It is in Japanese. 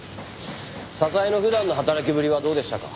笹井の普段の働きぶりはどうでしたか？